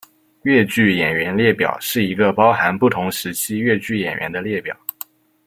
越剧演员列表是一个包含不同时期越剧演员的列表。